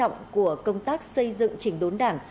trong những nội dung quan trọng của công tác xây dựng chỉnh đốn đảng